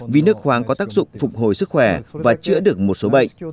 vì nước khoáng có tác dụng phục hồi sức khỏe và chữa được một số bệnh